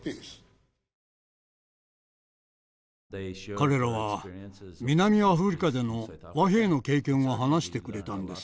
彼らは南アフリカでの和平の経験を話してくれたんです。